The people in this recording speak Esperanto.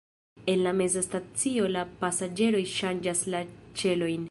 En la meza stacio la pasaĝeroj ŝanĝas la ĉelojn.